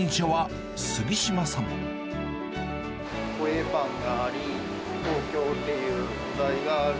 ホエイパンがあり、東京っていうお題がある。